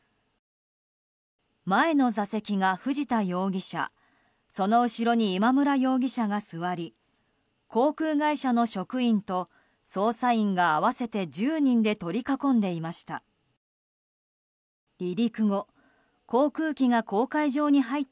前の座席が藤田容疑者その後ろに今村容疑者が座り航空会社の職員と捜査員が合わせて１０人で取り囲んでいました。